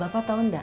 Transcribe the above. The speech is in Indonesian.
bapak tahu enggak